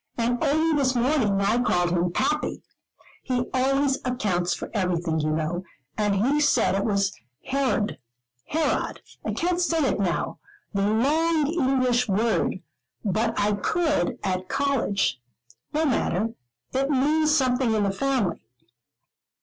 And only this morning I called him 'pappy' he always accounts for everything, you know; and he said it was hered herod I can't say it now, the long English word, but I could at college no matter, it means something in the family.